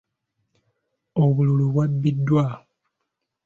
Obululu bwabbiddwa.